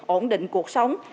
ổn định cuộc sống